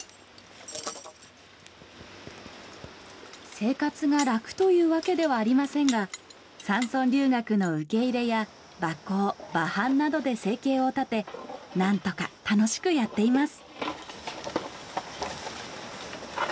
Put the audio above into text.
生活が楽というわけではありませんが山村留学の受け入れや馬耕馬搬などで生計を立てなんとか楽しくやっています。